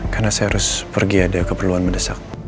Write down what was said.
karena saya harus pergi ada keperluan mendesak